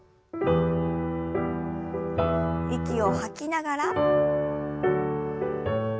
息を吐きながら。